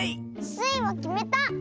スイはきめた！